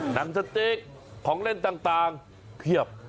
หนังสติ๊กของเล่นต่างเพียบ